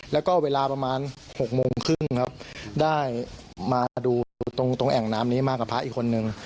แล้วก็เวลาประมาณ๖โมงครึ่งครับได้มาดูตรงแอ่งน้ำนี้มากับพระอีกคนนึง